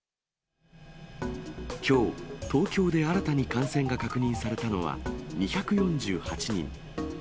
きょう、東京で新たに感染が確認されたのは２４８人。